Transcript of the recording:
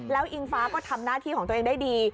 แล้วอิงฟ้าก็ทำหน้าที่ของตัวเองได้ดี